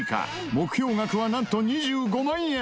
目標額はなんと２５万円！